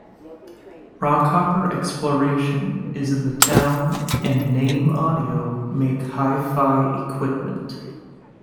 Rockhopper Exploration is in the town and Naim Audio make hi-fi equipment.